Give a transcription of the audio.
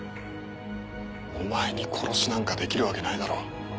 お前に殺しなんかできるわけないだろ。